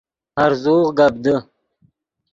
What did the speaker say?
ہرزوغ گپ دے